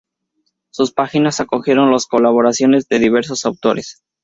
Sus páginas acogieron las colaboraciones de diversos autores.